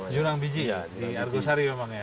jurang biji ya di argosari memang ya